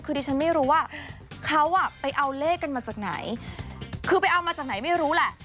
คือดิฉันไม่รู้ว่าเขาอ่ะไปเอาเลขกันมาจากไหนคือไปเอามาจากไหนไม่รู้แหละ